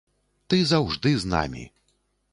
Ты заўжды з намі.